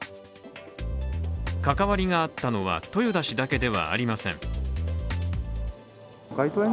関わりがあったのは豊田氏だけではありません。